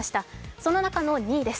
その中の２位です。